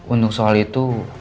untuk soal itu